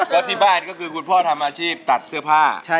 แล้วที่บ้านก็คือคุณพ่อทำอาชีพตัดเสื้อผ้า